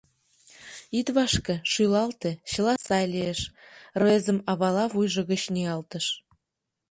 — Ит вашке, шӱлалте, чыла сай лиеш, — рвезым авала вуйжо гыч ниялтыш.